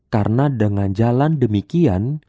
karena dengan jalan demikian